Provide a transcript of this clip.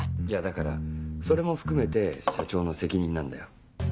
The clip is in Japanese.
いやだからそれも含めて社長の責任なんだよ。